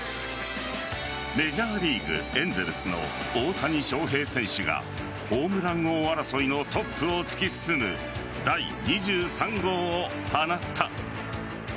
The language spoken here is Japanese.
メジャーリーグ・エンゼルスの大谷翔平選手がホームラン王争いのトップを突き進む第２３号を放った。